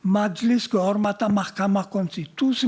majelis kehormatan mahkamah konstitusi